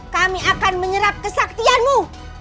kami akan menyerap kesaktianmu